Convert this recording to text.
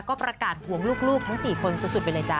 ก็ประกาศห่วงลูกทั้ง๔คนสุดไปเลยจ้